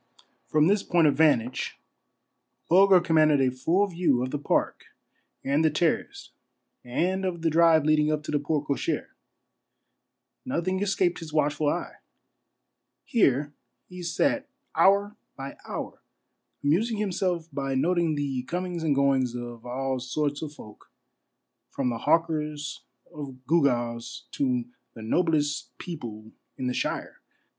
From this point of van tage Bulger commanded a full view of the park and the terrace and of the drive leading up to the porte cochere. Nothing A MARVELLOUS UNDERGROUND JOURNEY 3 escaped his watchful eye. Here he sat hour by hour, amusing himself by noting the comings and goings of all sorts of folk, from the hawkers of gewgaws to the noblest people in the shire.